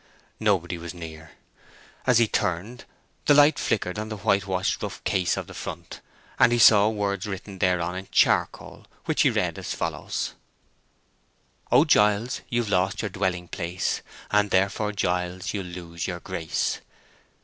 Nobody was near. As he turned, the light flickered on the whitewashed rough case of the front, and he saw words written thereon in charcoal, which he read as follows: "O Giles, you've lost your dwelling place, And therefore, Giles, you'll lose your Grace."